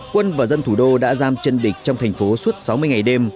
quân và dân thủ đô đã giam chân địch trong thành phố suốt sáu mươi ngày đêm